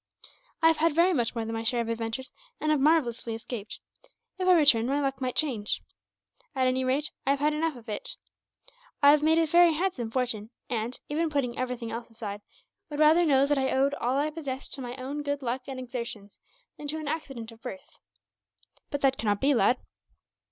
I have had very much more than my share of adventures, and have marvellously escaped. If I return, my luck might change. "At any rate, I have had enough of it. I have made a very handsome fortune and, even putting everything else aside, would rather know that I owed all I possessed to my own good luck and exertions, than to an accident of birth." "But that cannot be, lad."